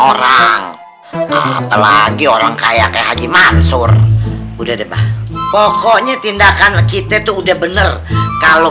orang apalagi orang kaya kayak haji mansur udah debat pokoknya tindakan kita tuh udah bener kalau